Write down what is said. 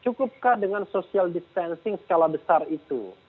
cukupkah dengan social distancing skala besar itu